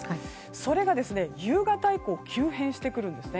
それが、夕方以降急変してくるんですね。